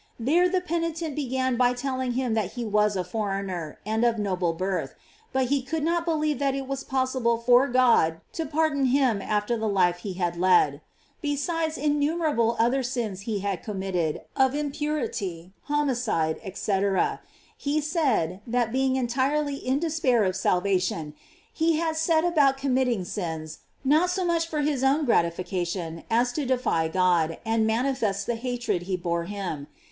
There the penitent began by telling him that he was a foreigner, and of noble birth, but be could not believe that it was possible for God to pardon him after the life he had led. Besides innumerable other sins he had committed of impurity, homicide, &c., he said, that being en tirely in despair of salvation, he had set about com mitting sins, not so much for his own gratifica tion, as to defy God, and manifest the hatred he bore him.